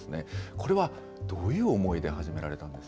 これはどういう思いで始められた